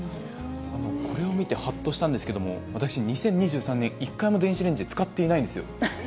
これを見て、はっとしたんですけれども、私、２０２３年、一回も電子レンジ使ってないんですよ。